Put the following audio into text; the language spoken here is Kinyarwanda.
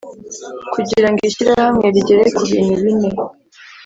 Kugira ngo ishyirahamwe rigere kubintu bine